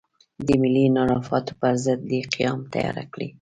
د ملي انحرافاتو پر ضد دې قیام تیاره کړي.